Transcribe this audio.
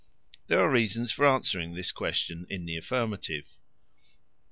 There are reasons for answering this question in the affirmative.